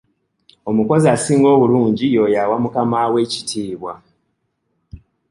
Omukozi asinga obulungi y'oyo awa mukaamawe ekitiibwa.